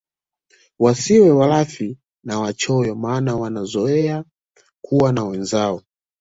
Wasiwe walafi na wachoyo maana wanazoea kuwa na wenzao